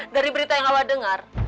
dari berita yang allah dengar